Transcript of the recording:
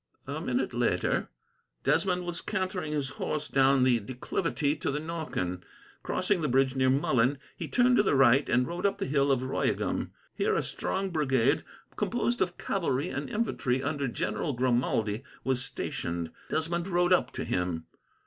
A minute later, Desmond was cantering his horse down the declivity to the Norken. Crossing by the bridge near Mullen, he turned to the right and rode up the hill of Royegham. Here a strong brigade, composed of cavalry and infantry, under General Grimaldi, was stationed. Desmond rode up to him.